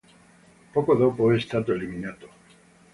Poco dopo è stato eliminato.